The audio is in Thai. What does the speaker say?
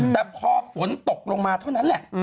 แต่พอฝนตกลงมาเท่านั้นแหละ